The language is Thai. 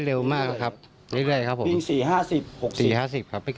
เร็วมากครับเรื่อยครับผมวิ่งสี่ห้าสิบหกสี่ห้าสิบครับ